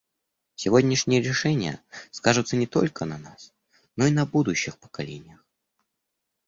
Сегодняшние решения скажутся не только на нас, но и на будущих поколениях.